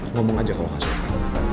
ngomong aja kalau gak salah